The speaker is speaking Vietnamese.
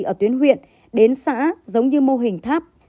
điều trị ở tuyến huyện đến xã giống như mô hình tháp